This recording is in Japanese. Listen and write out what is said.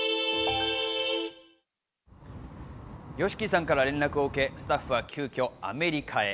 ＹＯＳＨＩＫＩさんから連絡を受けスタッフは急きょアメリカへ。